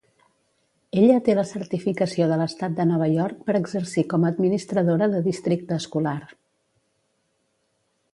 Ella té la certificació de l'estat de Nova York per exercir com a administradora de districte escolar.